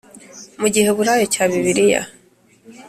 Mu Giheburayo cya Bibiliya